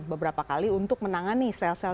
beberapa kali untuk menangani sel sel